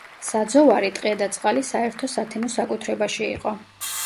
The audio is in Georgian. საძოვარი, ტყე და წყალი საერთო სათემო საკუთრებაში იყო.